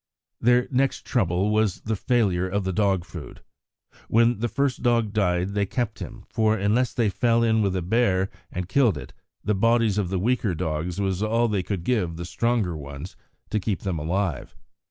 Their next trouble was the failure of the dog food. When the first dog died they kept him, for unless they fell in with a bear and killed it, the bodies of the weaker dogs was all that they could give the stronger ones to keep them alive.